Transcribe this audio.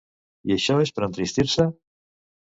I això és per entristir-se?